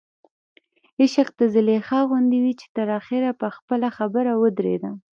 عشق د زلیخا غوندې وي چې تر اخره په خپله خبر ودرېده.